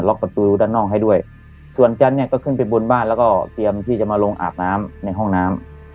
ประตูด้านนอกให้ด้วยส่วนจันเนี่ยก็ขึ้นไปบนบ้านแล้วก็เตรียมที่จะมาลงอาบน้ำในห้องน้ำ